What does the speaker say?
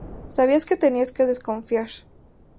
sabías que tenías que desconfiar